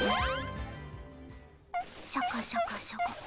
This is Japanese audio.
シャカシャカシャカ。